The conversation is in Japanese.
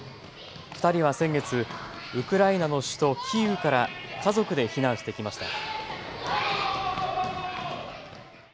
２人は先月、ウクライナの首都キーウから家族で避難してきました。